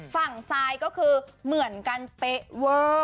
ฝั่งซ้ายก็คือเหมือนกันเป๊ะเวิล